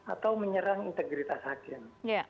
atau menyerang integritas hakim